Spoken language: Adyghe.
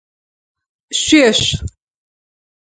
Шъуешъу!